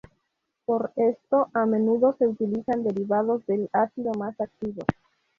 Por esto a menudo se utilizan derivados del ácido más activos.